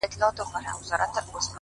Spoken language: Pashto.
• ښكلو ته كاته اكثر؛